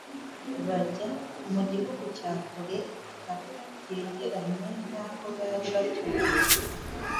bajya mu gihugu cya kure hategeranye n’aho bari batuye.